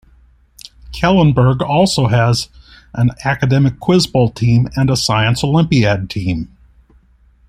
Kellenberg also has an Academic Quiz Bowl team and a Science Olympiad team.